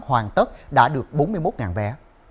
hoàn tất đã được bốn mươi một vé